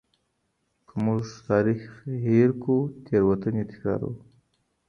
که موږ تاریخ هیر کړو تېروتني تکراروو.